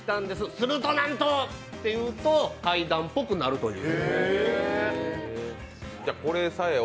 するとなんと！というと、怪談っぽくなるという。